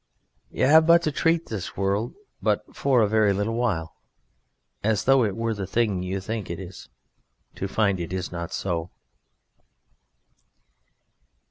You have but to treat this world for but a very little while as though it were the thing you think it to find it is not so.